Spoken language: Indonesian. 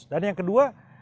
dan yang kedua